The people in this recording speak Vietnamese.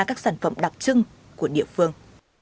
các sản phẩm đặc trưng của địa phương